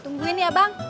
tungguin ya bang